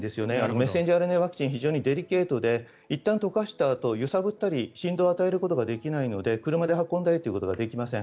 メッセンジャーＲＮＡワクチンは非常にデリケートで解かしたあと揺さぶったり振動を与えることができないので車で運んだりすることができません。